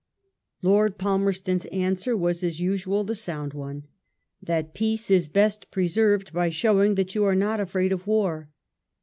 Lord Palmerston's answer was, as usnal,. the sound one, that peace is best preserved by showing that you are not afraid of war.